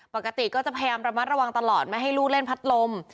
ปกติก็จะพยายามระมัดระวังตลอดไม่ให้ลูกเล่นพัดลม